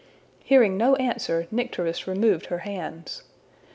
Hearing no answer, Nycteris removed her hands.